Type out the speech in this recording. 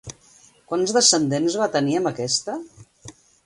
Quants descendents va tenir amb aquesta?